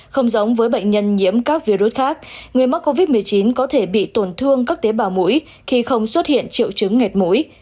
không giống với bệnh nhân nhiễm các virus khác người mắc covid một mươi chín có thể bị tổn thương các tế bào mũi khi không xuất hiện triệu chứng ngệt mũi